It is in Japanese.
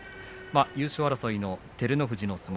優勝争いの照ノ富士の相撲